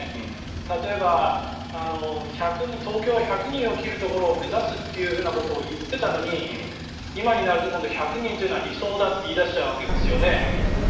例えば、東京は１００人を切るところを目指すと言っていたのに今になると、今度は１００人というのは理想だと言い出しちゃうわけですよね。